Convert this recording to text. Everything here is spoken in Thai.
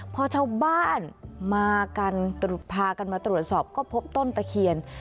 พอชาวบ้านมากันพากันมาตรวจสอบก็พบต้นตะเคียน